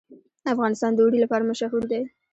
افغانستان د اوړي لپاره مشهور دی.